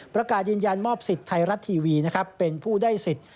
ประกาศยืนยันมอบสิทธิ์ไทยรัฐทีวีนะครับเป็นผู้ได้สิทธิ์